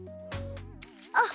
あっ！